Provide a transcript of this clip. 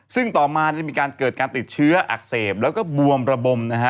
ซึ่งต่อมาได้มีการเกิดการติดเชื้ออักเสบแล้วก็บวมระบมนะฮะ